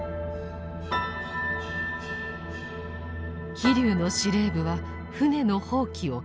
飛龍の司令部は艦の放棄を決定。